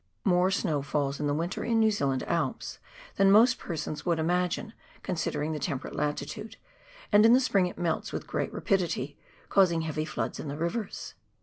More snow falls in the winter, in New Zealand Alps, than most persons would imagine, considering the temperate latitude, and in the spring it melts with great rapidity, causing heavy floods in the rivers.